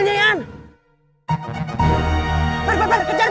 katanya mau cepet biar gak bingung balap